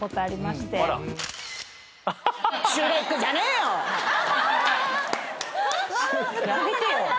やめてよ。